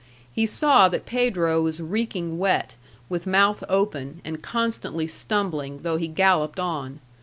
He saw that Pedro was reeking wet, with mouth open, and constantly stumbling, though he galloped on.